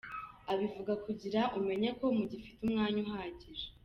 Abivuga kugira umenye ko mugifite umwanya uhagije.